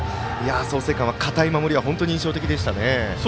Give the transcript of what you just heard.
創成館は堅い守りは本当に印象的でしたね。